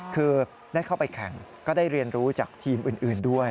คือได้เข้าไปแข่งก็ได้เรียนรู้จากทีมอื่นด้วย